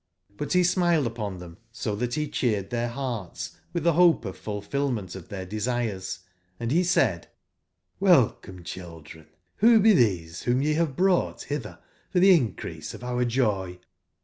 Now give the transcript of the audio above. But be smiled upon tbem so 80 that be cheered tbeir hearts with the hope of fulfil ment of their desires, and he said: aeLCOJVie, children t Olho be these whom I ye have brought hither for the increase of Hour joy?